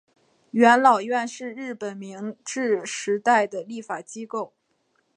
元老院是日本明治时代的立法机构。